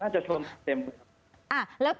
น่าจะชนเต็มครับ